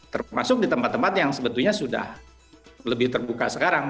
termasuk di tempat tempat yang sebetulnya sudah lebih terbuka sekarang